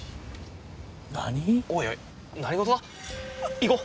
行こう。